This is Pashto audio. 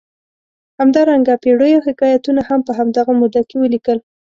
همدارنګه پېړیو حکایتونه هم په همدغه موده کې ولیکل.